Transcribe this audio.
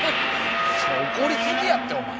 怒りすぎやってお前。